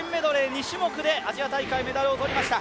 ２種目でアジア大会メダルを取りました。